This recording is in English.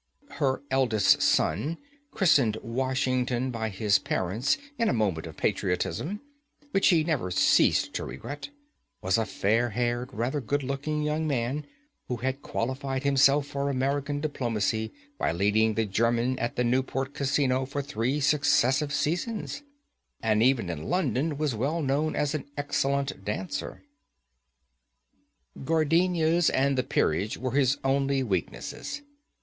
Her eldest son, christened Washington by his parents in a moment of patriotism, which he never ceased to regret, was a fair haired, rather good looking young man, who had qualified himself for American diplomacy by leading the German at the Newport Casino for three successive seasons, and even in London was well known as an excellent dancer. Gardenias and the peerage were his only weaknesses.